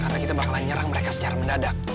karena kita bakalan nyerang mereka secara mendadak